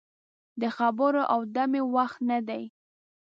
د خبرو او دمې وخت نه دی.